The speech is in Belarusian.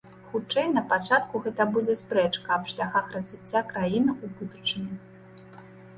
Хутчэй, напачатку гэта будзе спрэчка аб шляхах развіцця краіны ў будучыні.